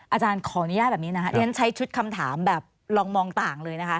อาจารย์ขออนุญาตแบบนี้นะคะเรียนใช้ชุดคำถามแบบลองมองต่างเลยนะคะ